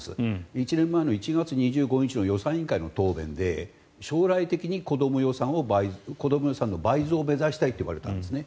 １年前の１月２５日の予算委員会の答弁で将来的に子ども予算の倍増を目指したいといわれたんですね。